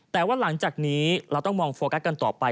แต่ว่าหลังจากนี้เราต้องมองโฟกัสกันต่อไป